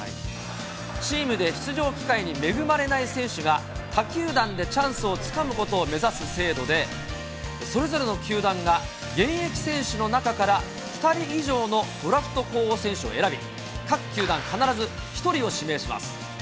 チームで出場機会に恵まれない選手が、他球団でチャンスをつかむことを目指す制度で、それぞれの球団が現役選手の中から２人以上のドラフト候補選手を選び、各球団、必ず１人を指名します。